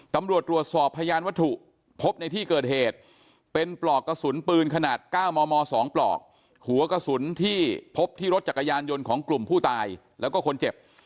ตำรวจตรวจสอบพยานวัตถุพบในที่เกิดเหตุเป็นปลอกกระสุนปืนขนาด๙มม๒ปลอกหัวกระสุนที่พบที่รถจักรยานยนต์ของกลุ่มผู้ตายแล้วก็คนเจ็บ